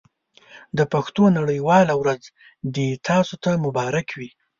د پښتو نړۍ واله ورځ دې تاسو ته مبارک وي.